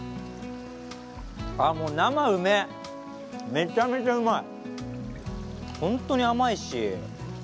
めちゃめちゃうまい。